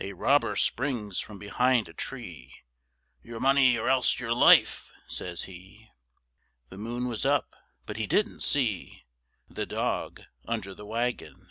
A robber springs from behind a tree; "Your money or else your life," says he; The moon was up, but he didn't see The dog under the wagon.